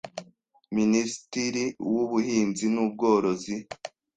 Minisitiri w Ubuhinzi n Ubworozi